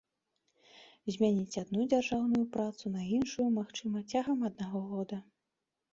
Змяніць адну дзяржаўную працу на іншую магчыма цягам аднаго года.